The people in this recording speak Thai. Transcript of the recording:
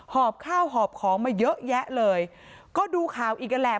หอบข้าวหอบของมาเยอะแยะเลยก็ดูข่าวอีกนั่นแหละ